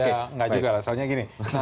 ya nggak juga lah soalnya gini